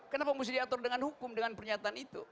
kenapa mesti diatur dengan hukum dengan pernyataan itu